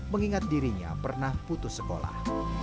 mengingat dirinya pernah putus sekolah